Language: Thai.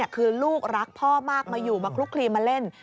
คือลูกรักพ่อมากมาอยู่มาคลุกคลีมาเล่น